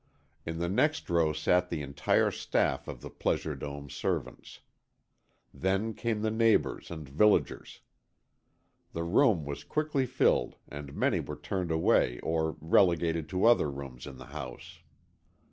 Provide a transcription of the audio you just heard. In the next row sat the entire staff of the Pleasure Dome servants. Then came the neighbours and villagers. The room was quickly filled and many were turned away or relegated to other rooms in the house.